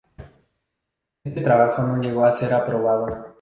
Este trabajo no llegó a ser aprobado.